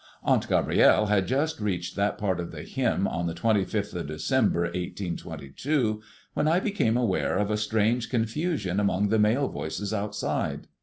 Aunt Gabrielle had just reached that part of the hymn on the 25th of December, 1822, when I became aware of a strange confusion among the male voices outside.